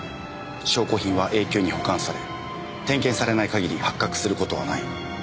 証拠品は永久に保管され点検されない限り発覚する事はない。